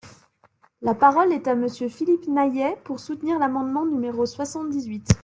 La parole est à Monsieur Philippe Naillet, pour soutenir l’amendement numéro soixante-dix-huit.